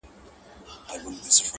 په خپلوي یې عالمونه نازېدله-